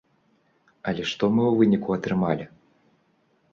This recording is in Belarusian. Але што мы ў выніку атрымалі?